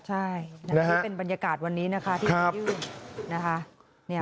นั่นคือเป็นบรรยากาศวันนี้นะคะที่ยื่น